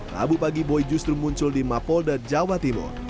rabu pagi boy justru muncul di mapolda jawa timur